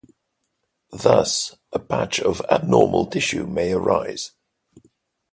Thus, a patch of abnormal tissue may arise.